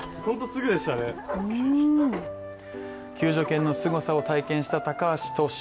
救助犬のすごさを体験して高橋投手。